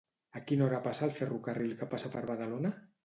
A quina hora passa el ferrocarril que passa per Badalona?